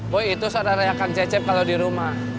boy itu saudaranya kang cecep kalau di rumah